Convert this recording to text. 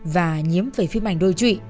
và nhiếm về phim ảnh đôi trụy